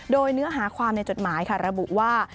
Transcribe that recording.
โดยเนื้อหาความในจดหมายค่ะระบุว่า